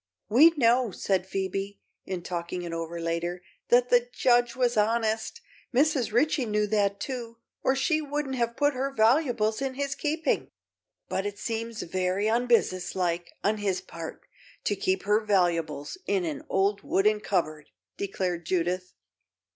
"We know," said Phoebe, in talking it over later, "that the judge was honest. Mrs. Ritchie knew that, too, or she wouldn't have put her valuables in his keeping." "But it seems very unbusinesslike, on his part, to keep her valuables in an old wooden cupboard," declared Judith.